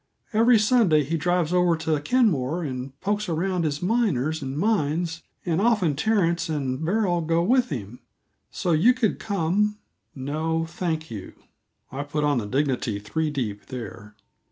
"Every Sunday he drives over to Kenmore and pokes around his miners and mines, and often Terence and Beryl go with him, so you could come " "No, thank you." I put on the dignity three deep there.